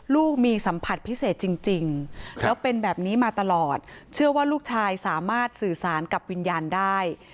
ลูกมีสัมผัสพิเศษจริงแล้วเป็นแบบนี้มาตลอดเชื่อว่าลูกชายสามารถสื่อสารกับวิญญาณได้